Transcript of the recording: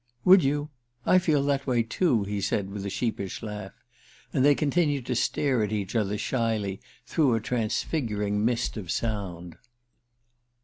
"Would you? I feel that way too," he said with a sheepish laugh. And they continued to stare at each other shyly through a transfiguring mist of sound.